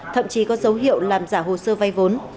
thậm chí có dấu hiệu làm giả hồ sơ vay vốn